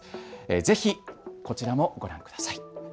ぜひこちらもご覧ください。